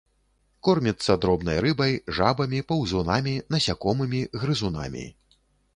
Корміцца дробнай рыбай, жабамі, паўзунамі, насякомымі, грызунамі.